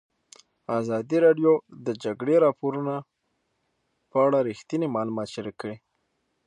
ازادي راډیو د د جګړې راپورونه په اړه رښتیني معلومات شریک کړي.